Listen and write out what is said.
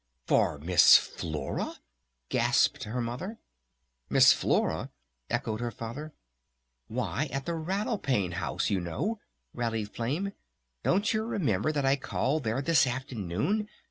"For Miss Flora?" gasped her Mother. "Miss Flora?" echoed her Father. "Why, at the Rattle Pane House, you know!" rallied Flame. "Don't you remember that I called there this afternoon?